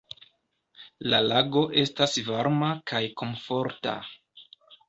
"La lago estas varma kaj komforta."